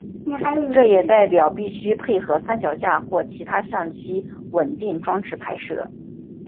这也代表必须配合三脚架或其他相机稳定装置拍摄。